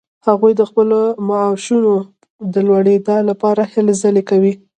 هغوی د خپلو معاشونو د لوړیدا لپاره هلې ځلې کوي.